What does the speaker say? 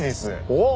おっ！